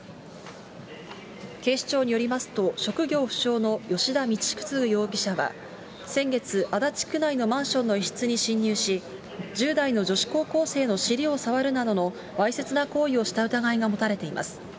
警視庁によりますと、職業不詳の吉田道次容疑者は先月、足立区内のマンションの一室に侵入し、１０代の女子高校生の尻を触るなどのわいせつな行為をした疑いが持たれています。